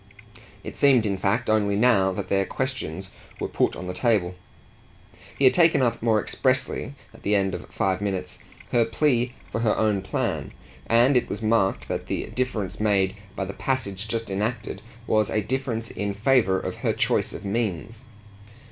It seemed in fact only now that their questions were put on the table. He had taken up more expressly at the end of five minutes her plea for her own plan, and it was marked that the difference made by the passage just enacted was a difference in favour of her choice of means.